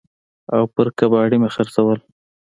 او پر کباړي مې خرڅول.